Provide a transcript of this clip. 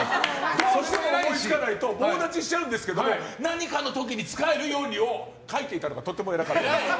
どうしても思いつかないと棒立ちしちゃうんですけど何かの時に使えるように書いていたのがとっても偉かった。